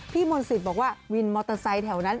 มนศิษย์บอกว่าวินมอเตอร์ไซค์แถวนั้น